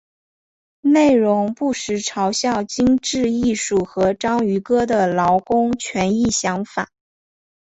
内容不时嘲笑精致艺术和章鱼哥的劳工权益想法。